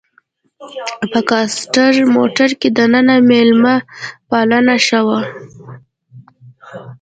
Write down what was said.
په کاسټر موټر کې دننه میلمه پالنه شوه.